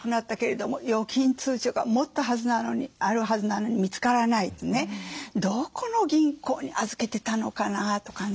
どこの銀行に預けてたのかな？とかね。